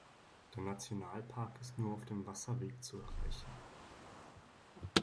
Der Nationalpark ist nur auf dem Wasserweg zu erreichen.